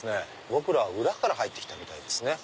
僕らは裏から入ってきたみたいですね。